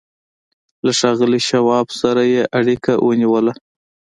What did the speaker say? له ښاغلي شواب سره یې اړیکه ونیوه